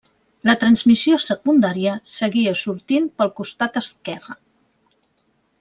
La transmissió secundària seguia sortint pel costat esquerre.